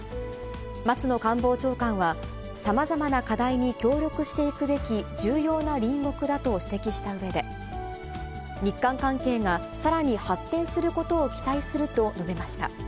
松野官房長官は、さまざまな課題に協力していくべき重要な隣国だと指摘したうえで、日韓関係がさらに発展することを期待すると述べました。